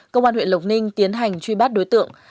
công an huyện lộc ninh tiến hành truy bắt đối tượng